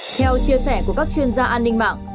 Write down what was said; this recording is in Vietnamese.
theo chia sẻ của các chuyên gia an ninh mạng